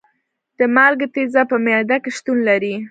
د مالګې تیزاب په معده کې شتون لري.